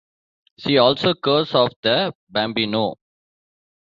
See also Curse of the Bambino.